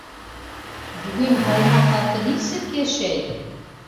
Бөгөн Баймаҡ халҡы нисек йәшәй?